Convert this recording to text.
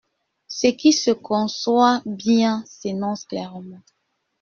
Ce qui se conçoit bien s’énonce clairement.